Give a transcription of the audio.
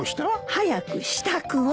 早く支度を。